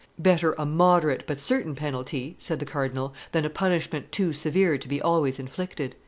"Better a moderate but certain penalty," said the cardinal, "than a punishment too severe to be always inflicted."